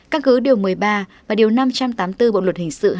căn cứ điều một mươi ba và điều năm trăm tám mươi bốn bộ luật hình sự hai nghìn một